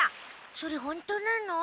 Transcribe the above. それほんとなの？